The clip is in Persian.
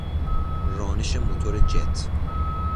رانش موتور جت